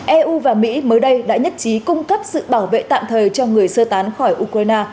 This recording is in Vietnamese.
eu và mỹ mới đây đã nhất trí cung cấp sự bảo vệ tạm thời cho người sơ tán khỏi ukraine